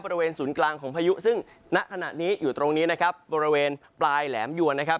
บริเวณศูนย์กลางของพายุซึ่งณขณะนี้อยู่ตรงนี้นะครับบริเวณปลายแหลมยวนนะครับ